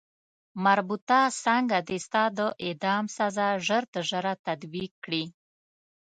مربوطه څانګه دې ستا د اعدام سزا ژر تر ژره تطبیق کړي.